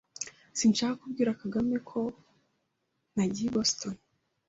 Sinshaka kubwira Kagame ko nagiye i Boston.